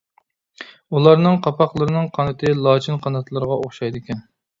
ئۇلارنىڭ قالپاقلىرىنىڭ قانىتى، لاچىن قاناتلىرىغا ئوخشايدىكەن.